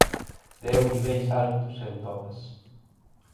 Deu niveis altos en todas.